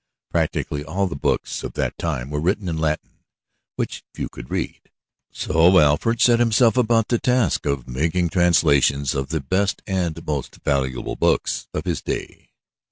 Practically all the books of that time were written in Latin which few could read, so Alfred set himself about the task of making translations of the best and most valuable books of his day.